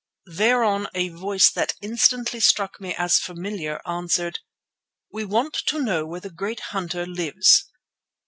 Thereon a voice that instantly struck me as familiar, answered: "We want to know where the great hunter lives."